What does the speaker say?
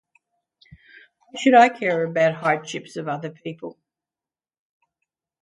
Why should I care about hardships of other people?